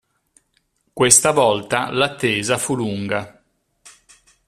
Questa volta l'attesa fu lunga.